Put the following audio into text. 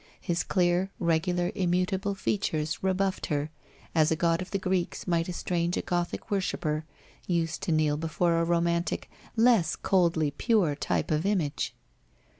His clear, regular immutable features rebuffed her, as a god of the Greeks might estrange a Gothic worshipper, used to kneel before a romantic, less coldly pure type of image.